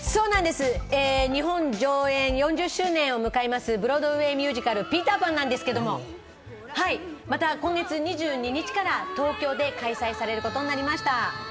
日本上演４０周年迎えます、ブロードウェイミュージカル『ピーターパン』なんですけど、今月２２日から東京で開催されることになりました。